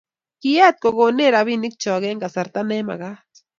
Kiet ko konech robinikcho eng' kasarta ne mekat